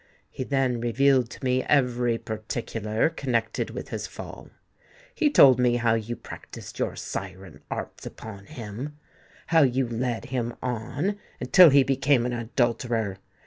He then revealed to me every particular connected with his fall. He told me how you practised your syren arts upon him—how you led him on, until he became an adulterer!